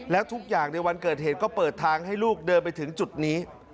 แล้วทุกอย่างในวันเกิดเหตุก็เปิดทางให้ลูกเดินไปถึงจุดนี้